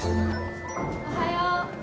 おはよう。